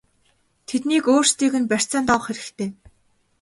Тэднийг өөрсдийг нь барьцаанд авах хэрэгтэй!!!